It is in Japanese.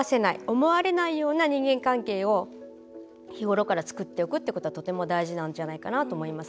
思われないような人間関係を日頃から作っていくことがとても大事なんじゃないかなと思います。